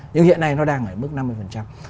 nhưng hiện nay nó đang ở mức năm mươi phần trăm